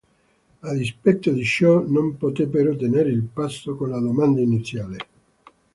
A dispetto di ciò, non poté però tenere il passo con la domanda iniziale.